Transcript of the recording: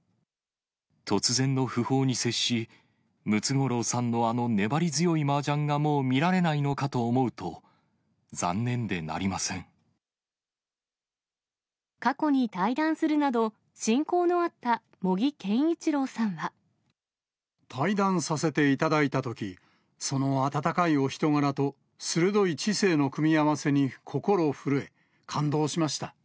突然の訃報に接し、ムツゴロウさんのあの粘り強いマージャンがもう見られないのかと過去に対談するなど、親交の対談させていただいたとき、その温かいお人柄と鋭い知性の組み合わせに心ふるえ、感動しました。